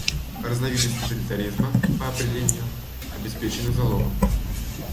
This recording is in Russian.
Разновидность тоталитаризма, по определению, обеспечена залогом.